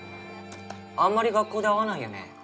あんまり学校で会わないよね